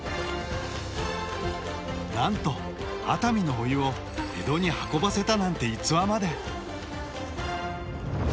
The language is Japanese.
なんと熱海のお湯を江戸に運ばせたなんて逸話まで。